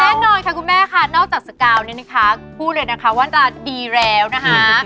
แน่นอนค่ะคุณแม่ค่ะนอกจากสกาวเนี่ยนะคะพูดเลยนะคะว่าตาดีแล้วนะคะ